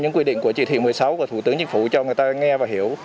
những quy định của chỉ thị một mươi sáu của thủ tướng chính phủ cho người ta nghe và hiểu